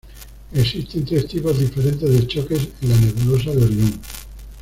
Existen tres tipos diferentes de choques en la nebulosa de Orión.